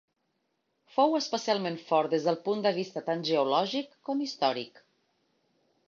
Fou especialment fort des del punt de vista tant geològic com històric.